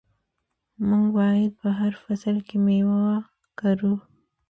موږ باید په هر فصل کې میوه وکرو.